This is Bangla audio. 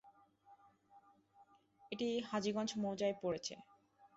এটি হাজীগঞ্জ মৌজায় পড়েছে।